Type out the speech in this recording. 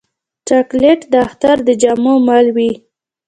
چاکلېټ د اختر د جامو مل وي.